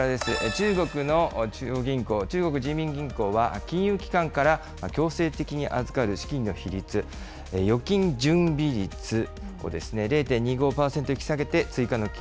中国の中央銀行、中国人民銀行は、金融機関から強制的に預かる資金の比率、預金準備率ですね、ここですね、０．２５％引き下げて、追加の金